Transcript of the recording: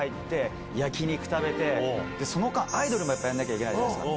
その間アイドルもやらなきゃいけないじゃないですか。